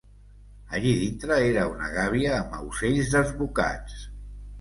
Allí dintre era una gabia amb aucells desbocats